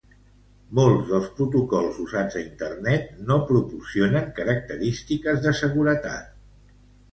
Molts dels protocols usats a Internet no proporcionen característiques de seguretat.